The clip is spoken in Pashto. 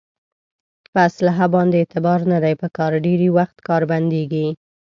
په اصلحه باندې اعتبار نه دی په کار ډېری وخت کار بندېږي.